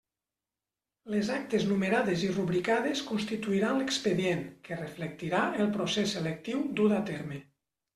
Les actes numerades i rubricades constituiran l'expedient, que reflectirà el procés selectiu dut a terme.